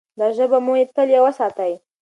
دا ژبه به مو تل یوه ساتي.